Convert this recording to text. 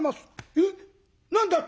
「えっ！？何だって？」。